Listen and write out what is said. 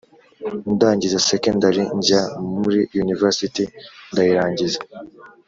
ndangiza secondary njya muri university ndayirangiza